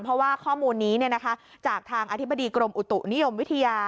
เพราะว่าข้อมูลนี้จากทางอธิบดีกรมอุตุนิยมวิทยา